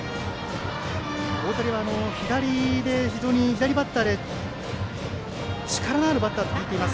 大谷は左バッターで非常に力のあるバッターと聞いています。